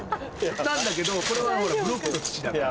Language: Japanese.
なんだけどこれはほらブロックの土だから。